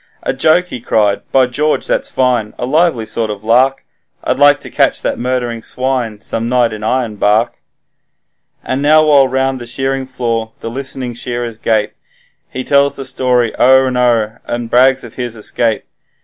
'A joke!' he cried, 'By George, that's fine; a lively sort of lark; I'd like to catch that murdering swine some night in Ironbark.' And now while round the shearing floor the list'ning shearers gape, He tells the story o'er and o'er, and brags of his escape.